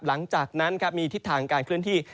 หลังจากนั้นมีทิศทางการเคลื่อนที่